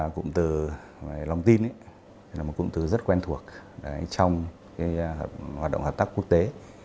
cũng từ lòng tin là một cụm từ rất quen thuộc trong hoạt động hợp tác quốc tế